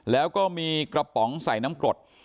แล้วก็มีกระป๋องใส่น้ำกรด